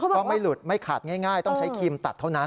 ก็ไม่หลุดไม่ขาดง่ายต้องใช้ครีมตัดเท่านั้น